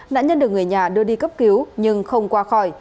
nạn nhân được người nhà đưa đi cấp cứu nhưng không qua khỏi